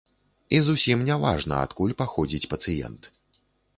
І зусім не важна, адкуль паходзіць пацыент.